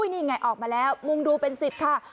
นี่ไงออกมาแล้วมุงดูเป็น๑๐ค่ะ